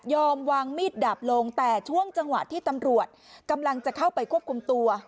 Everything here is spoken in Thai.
วางมีดดาบลงแต่ช่วงจังหวะที่ตำรวจกำลังจะเข้าไปควบคุมตัว